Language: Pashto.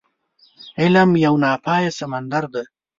علم يو ناپايه سمندر دی.